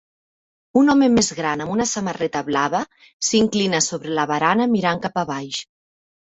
Un home més gran amb una samarreta blava s'inclina sobre la barana mirant cap a baix.